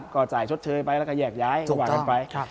ก็จ่ายชดเชยไปแล้วก็แยกย้ายไป